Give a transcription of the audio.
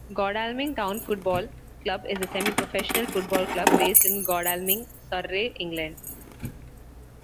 Godalming Town Football Club is a semi-professional football club based in Godalming, Surrey, England.